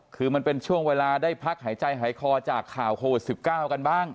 คือมันเป็นช่วงเวลาได้พักหายใจหายคอจากข่าวโควิด๑๙กันบ้าง